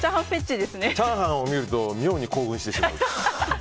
チャーハンを見ると妙に興奮してしまう？